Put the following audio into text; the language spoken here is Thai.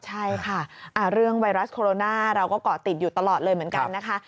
ใช่ค่ะเรื่องไวรัสโคโรนาเราก็เกาะติดอยู่ตลอดเลยเหมือนกันนะคะ